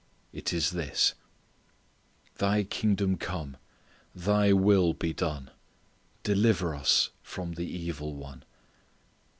It is this: Thy kingdom come: Thy will be done: deliver us from the evil one.